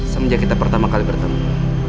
semenjak kita pertama kali bertemu